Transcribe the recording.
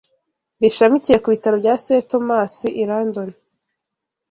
rishamikiye ku bitaro bya St Thomas' i London